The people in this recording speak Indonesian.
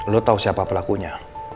lo tau siapa pelakunya